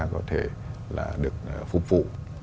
có thể được phục vụ